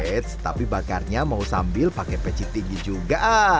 eits tapi bakarnya mau sambil pakai peci tinggi juga